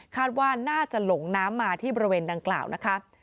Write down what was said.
ว่าน่าจะหลงน้ำมาที่บริเวณดังกล่าวนะคะ